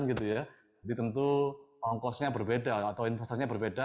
jadi tentu ongkosnya berbeda atau investasinya berbeda